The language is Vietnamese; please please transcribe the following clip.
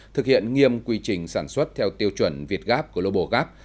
thực hiện nghiêm quy trình sản xuất theo tiêu chuẩn việt gap global gap